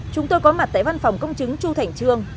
chúng tôi có mặt tại văn phòng công chứng chu thành trương